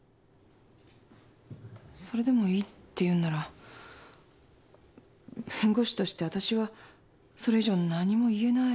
それでもいいって言うんなら弁護士としてわたしはそれ以上何も言えない。